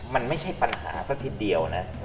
มันไม่ใช่ปัญหาซะทีเดียวนะ